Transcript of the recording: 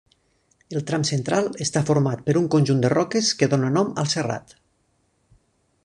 El tram central està format per un conjunt de roques que dóna nom al serrat.